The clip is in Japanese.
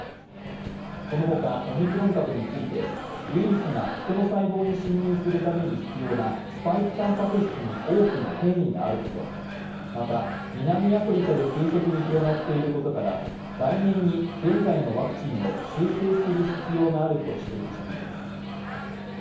この他、オミクロン株についてウイルスが人の細胞に侵入するために必要なスパイクたんぱく質に多くの変異があること、また、南アフリカで急速に広がっていることから来年に現在のワクチンを修正する必要があると指摘しています。